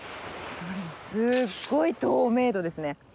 すっごい透明度ですね。